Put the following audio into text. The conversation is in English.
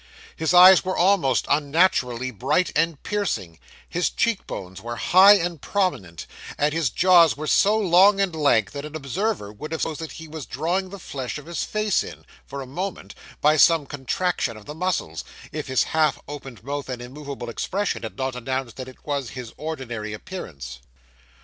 His eyes were almost unnaturally bright and piercing; his cheek bones were high and prominent; and his jaws were so long and lank, that an observer would have supposed that he was drawing the flesh of his face in, for a moment, by some contraction of the muscles, if his half opened mouth and immovable expression had not announced that it was his ordinary appearance.